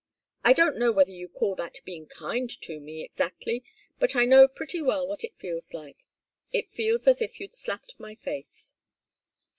I don't know whether you call that being kind to me, exactly, but I know pretty well what it feels like. It feels as if you'd slapped my face."